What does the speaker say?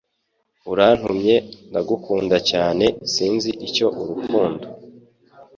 Urantumye. Ndagukunda cyane, sinzi icyo urukundo